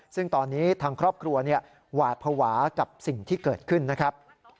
ซึ่งตอนนี้ทางครอบครัวหวาดภาวะกับสิ่งที่เกิดขึ้นนะครับ